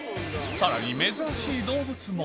さらに珍しい動物も。